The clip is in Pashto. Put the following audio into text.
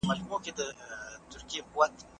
د اړتیا پوره کول د ژوند قانون دی.